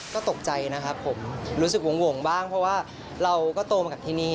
ก็ตกใจนะครับผมรู้สึกห่วงบ้างเพราะว่าเราก็โตมากับที่นี่